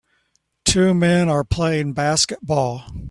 Two men are playing basketball